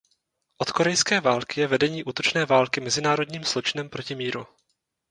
Od korejské války je vedení útočné války mezinárodním zločinem proti míru.